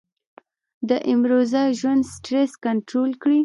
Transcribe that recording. د امروزه ژوند سټرېس کنټرول کړي -